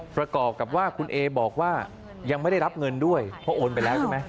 ประกอบกับว่าคุณเอบอกว่ายังไม่ได้รับเงินด้วยเพราะโอนไปแล้วใช่ไหม